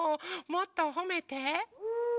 もっとほめて。